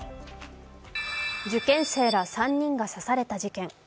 受験生ら３人が刺された事件。